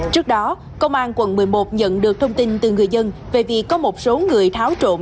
trước đó công an quận một mươi một nhận được thông tin từ người dân về việc có một số người tháo trộm